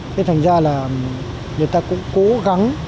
thế thành ra là người ta cũng cố gắng